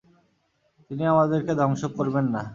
তিনি আমাদেরকে ধ্বংস করবেন না।